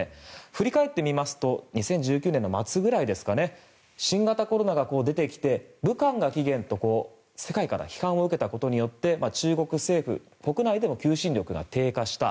振り返ってみますと２０１９年の末ぐらいに新型コロナが出てきて武漢が起源と世界から批判を受けたことで中国政府、国内でも求心力が低下した。